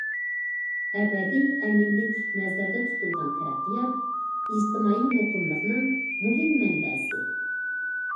ئەبەدىي ئەمىنلىك نەزەردە تۇتۇلغان تەرەققىيات ئىجتىمائىي مۇقىملىقنىڭ مۇھىم مەنبەسى.